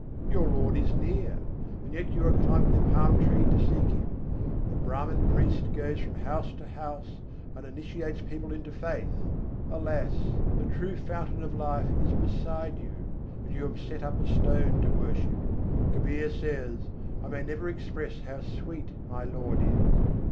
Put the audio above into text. Your Lord is near: yet you are climbing the palm tree to seek Him. The Brâhman priest goes from house to house and initiates people into faith: Alas! the true fountain of life is beside you., and you have set up a stone to worship. Kabîr says: "I may never express how sweet my Lord is.